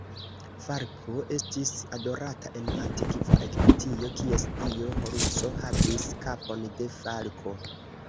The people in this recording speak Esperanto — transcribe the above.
Falko estis adorata en antikva Egiptio, kies dio Horuso havis kapon de falko.